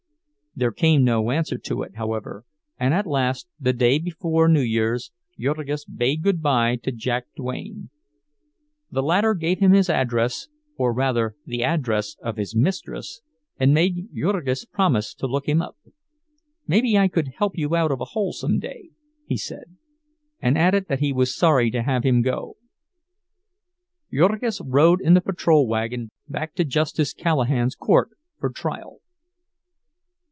There came no answer to it, however, and at last, the day before New Year's, Jurgis bade good by to Jack Duane. The latter gave him his address, or rather the address of his mistress, and made Jurgis promise to look him up. "Maybe I could help you out of a hole some day," he said, and added that he was sorry to have him go. Jurgis rode in the patrol wagon back to Justice Callahan's court for trial.